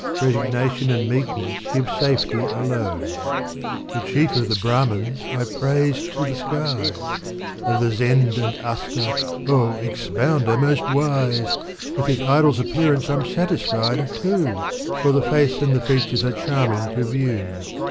Resignation and meekness give safety alone. Digitized by Google Bustan. 333 The chief of the Brahmins I praised to the skies :" Of the Zend and Asta * oh, expounder most wise ! With this idol's appearance Tm satisfied, too ; For the face and the features are charming to view.